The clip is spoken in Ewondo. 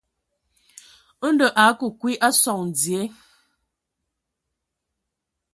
Ndɔ a akə kwi a sɔŋ dzie.